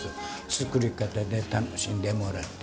作り方で楽しんでもらって。